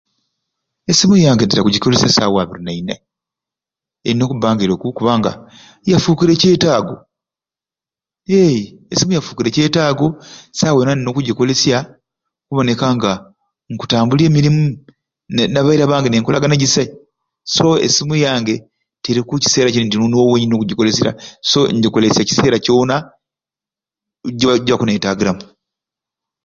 Esimu yange ntera gyikolesya saawa abiri naine eyina okuba nga eriku kubanga yafukire kyetaago heee esimu yafukire kyetaago saawa yona nina okugyikolesya okuboneka nga nkutambula emirumu ne nabaira bange ne nkolagana egyisai so esimu yange teriku kiseera wenina ogyikolesya so njikolesya ekiseera kyona gye gye bakunetagiramu